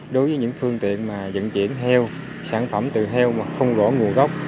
đối với những phương tiện dẫn chuyển heo sản phẩm từ heo mà không rõ nguồn gốc